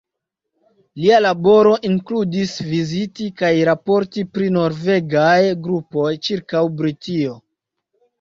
Lia laboro inkludis viziti kaj raporti pri norvegaj grupoj ĉirkaŭ Britio.